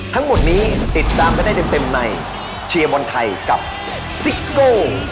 ทั้งหมดนี้ติดตามกันได้เต็มในเชียร์บอลไทยกับซิโก้